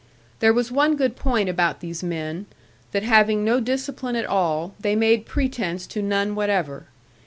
There was one good point about these men, that having no discipline at all, they made pretence to none whatever.